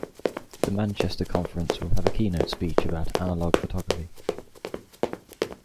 The Manchester conference will have a keynote speech about analogue photography.